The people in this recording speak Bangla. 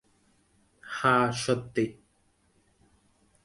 হ্যা - সত্যি?